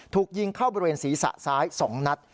ถูกยิงเข้าบริเวณศีรษะซ้าย๒นัด